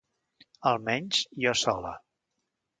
Almenys, jo sola.